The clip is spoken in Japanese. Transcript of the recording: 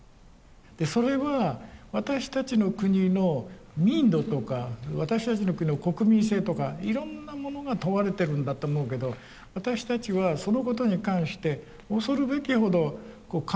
それは私たちの国の民度とか私たちの国の国民性とかいろんなものが問われてるんだと思うけど私たちはそのことに関して恐るべきほど感覚が鈍い。